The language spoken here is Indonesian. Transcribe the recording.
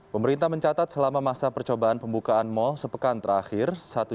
pemerintah mencatat selama masa percobaan pembukaan mall sepekan terakhir